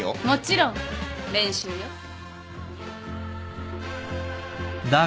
もちろん練習よ。